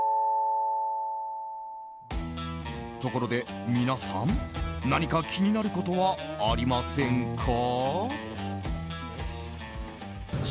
ところで、皆さん何か気になることはありませんか。